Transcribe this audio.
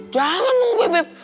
jangan dong bebep